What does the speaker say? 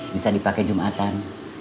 bisa dipakai jum'atan